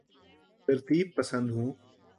ترتیب پسند ہوں